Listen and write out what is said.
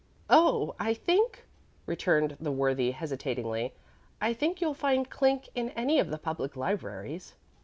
"Oh, I think," returned that worthy, hesitatingly "I think you'll find Clink in any of the public libraries."